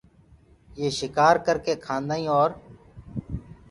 يي شڪآر ڪرڪي کآدآئينٚ اور